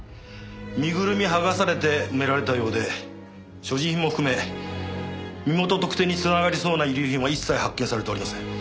身ぐるみ剥がされて埋められたようで所持品も含め身元特定に繋がりそうな遺留品は一切発見されておりません。